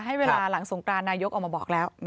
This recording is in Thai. หลังสงกรานายกออกมาบอกแล้วนะคะ